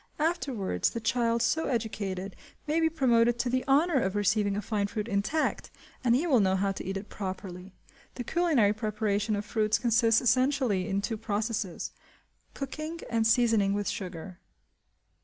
Afterwards, the child so educated may be promoted to the honour of receiving a fine fruit intact, and he will know how to eat it properly. The culinary preparation of fruits consists essentially in two processes: cooking, and seasoning with sugar.